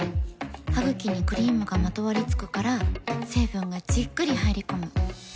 ハグキにクリームがまとわりつくから成分がじっくり入り込む。